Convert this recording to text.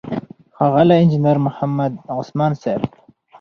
ښاغلی انجينر محمد عثمان صيب،